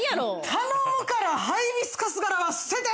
頼むからハイビスカス柄は捨てて！